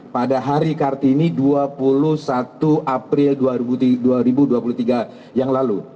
pada hari kartini dua puluh satu april dua ribu dua puluh tiga yang lalu